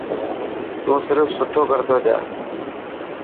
تو صرف سٺو ڪرتو جا.